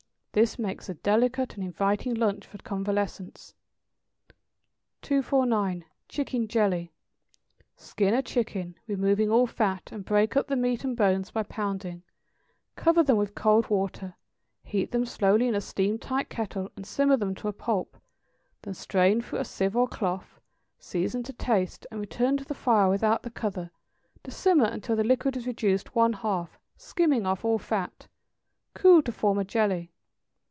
This makes a delicate and inviting lunch for convalescents. 249. =Chicken Jelly.= Skin a chicken, removing all fat, and break up the meat and bones by pounding; cover them with cold water, heat them slowly in a steam tight kettle, and simmer them to a pulp; then strain through a sieve or cloth, season to taste, and return to the fire without the cover, to simmer until the liquid is reduced one half, skimming off all fat. Cool to form a jelly.